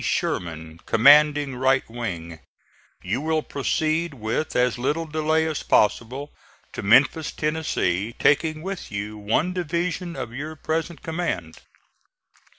SHERMAN, Commanding Right Wing: You will proceed, with as little delay as possible, to Memphis, Tennessee, taking with you one division of your present command.